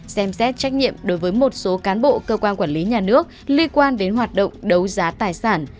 xem xét trách nhiệm đối với một số cán bộ cơ quan quản lý nhà nước liên quan đến hoạt động đấu giá tài sản